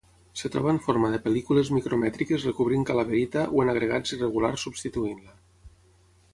Es troba en forma de pel·lícules micromètriques recobrint calaverita, o en agregats irregulars substituint-la.